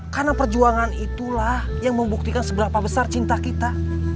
karena perjuangan itulah yang membuktikan seberapa besar cinta kita